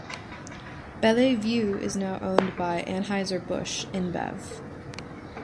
Belle-Vue is now owned by Anheuser-Busch InBev.